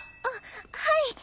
あっはい。